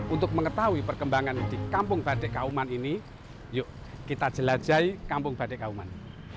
untuk mengetahui perkembangan di kampung badek kauman ini yuk kita jelajahi kampung badek kauman